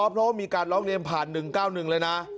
เพราะมีการล็อกเลนส์ผ่าน๑๙๑เลยนะ